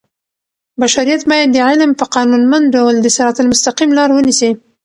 بشریت باید د علم په قانونمند ډول د صراط المستقیم لار ونیسي.